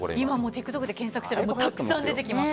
ＴｉｋＴｏｋで検索したらたくさん出てきます。